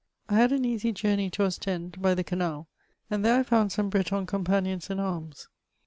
I had an easy journey to Ostend hy the canal, and there I found some Breton companions in arms.